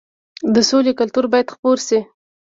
د سولې کلتور باید خپور شي.